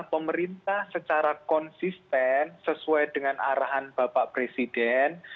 pemerintah secara konsisten sesuai dengan arahan bapak presiden